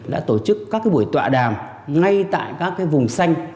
đã tổ chức các buổi tọa đàm ngay tại các vùng xanh